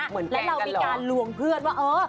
เหมือนแกล้งกันเหรอแล้วเรามีการลวงเพื่อนว่าเออ